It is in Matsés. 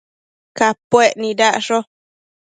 Capuec nidacsho